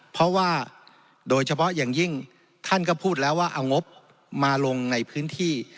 เพราะว่าโดยเฉพาะอย่างยิ่งท่านก็พูดแล้วว่าเอางบมาลงในพื้นที่